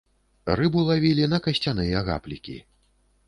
Рыбу лавілі на касцяныя гаплікі.